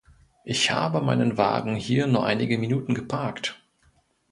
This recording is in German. Ich habe meinen Wagen hier nur einige Minuten geparkt.